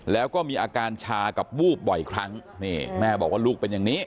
แล้วก็มีอาการชากับวูบบ่อยครั้งนี่แม่บอกว่าลูกเป็นอย่างนี้